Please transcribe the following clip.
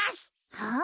はあ？